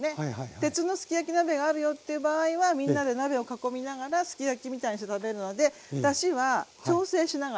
鉄のすき焼き鍋があるよという場合はみんなで鍋を囲みながらすき焼きみたいにして食べるのでだしは調整しながら。